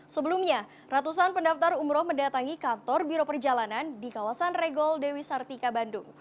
sebelumnya ratusan pendaftar umroh mendatangi kantor biro perjalanan di kawasan regol dewi sartika bandung